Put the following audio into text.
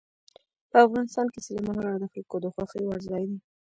په افغانستان کې سلیمان غر د خلکو د خوښې وړ ځای دی.